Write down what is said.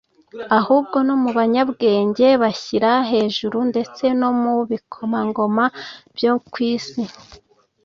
ahubwo no mu banyabwenge bishyira hejuru ndetse no mu bikomangoma byo ku isi.